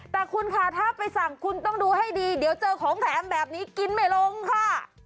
แต่คุณค่ะถ้าไปสั่งคุณต้องดูให้ดีเดี๋ยวเจอของแถมแบบนี้กินไม่ลงค่ะ